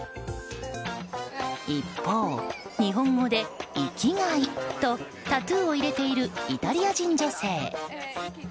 一方、日本語で、生きがいとタトゥーを入れているイタリア人女性。